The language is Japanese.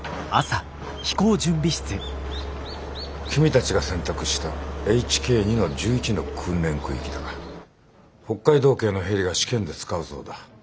君たちが選択したＨＫ２−１１の訓練空域だが北海道警のヘリが試験で使うそうだ。